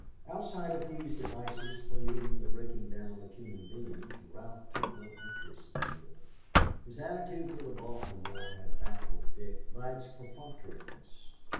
Outside of these devices for meeting the breaking down of human beings, Ralph took no interest in Europe. His attitude through the Balkan War had baffled Dick by its perfunctoriness.